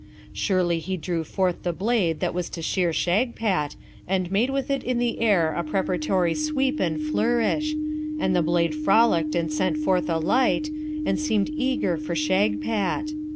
Surely he drew forth the blade that was to shear Shagpat, and made with it in the air a preparatory sweep and flourish; and the blade frolicked and sent forth a light, and seemed eager for Shagpat.